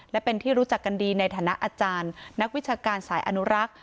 และเป็นที่รู้จักกันดีในฐานะอาจารย์นักวิชาการสายอนุรักษ์